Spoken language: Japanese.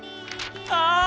ああ！